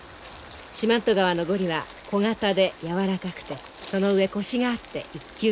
四万十川のゴリは小型でやわらかくてその上コシがあって一級品。